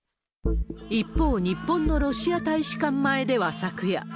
一方、日本のロシア大使館前では昨夜。